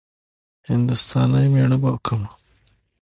هـنـدوستانی ميړه به وکړم.